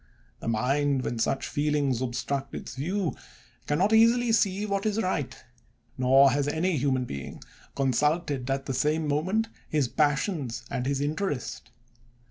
The mind, when such feelings obstruct its view, can not easily see what is right ; nor has any human being consulted, at the same moment, his passions and his interest.